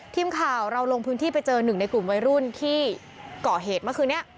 ทีมข่าวเราลงพื้นที่ไปเจอหนึ่งในกลุ่มวัยรุ่นที่เกาะเหตุเมื่อคืนนี้